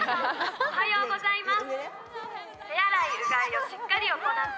おはようございます。